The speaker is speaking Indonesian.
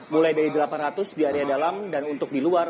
mulai dari delapan ratus di area dalam dan untuk di luar